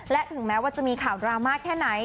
และถึงแม้ว่าจะมีข่าวดราม่าแค่ไหน